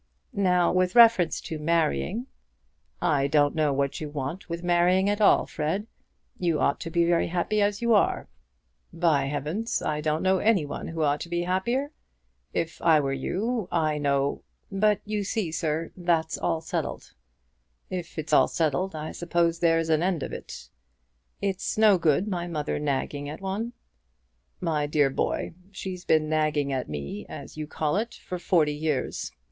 "Now, with reference to marrying " "I don't know what you want with marrying at all, Fred. You ought to be very happy as you are. By heavens, I don't know any one who ought to be happier. If I were you, I know " "But you see, sir, that's all settled." "If it's all settled, I suppose there's an end of it." "It's no good my mother nagging at one." "My dear boy, she's been nagging at me, as you call it, for forty years.